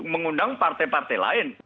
mengundang partai partai lain